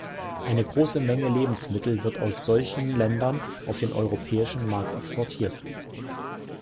Eine große Menge Lebensmittel wird aus solchen Ländern auf den europäischen Markt exportiert.